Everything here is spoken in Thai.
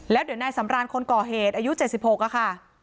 แล้วเดี๋ยวนายสำรานคนก่อเหตุอายุ๗๖ค่ะ